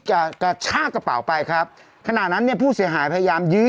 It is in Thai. กระชากกระเป๋าไปครับขณะนั้นเนี่ยผู้เสียหายพยายามยื้อ